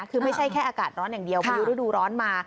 คือไม่ใช่แค่อากาศร้อนอย่างเดียวพายุฤดูร้อนมา